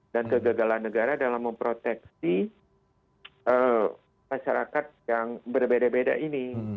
kegagalan negara dalam memproteksi masyarakat yang berbeda beda ini